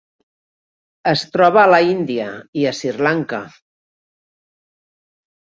Es troba a l'Índia i a Sri Lanka.